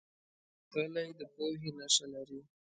غلی، د پوهې نښه لري.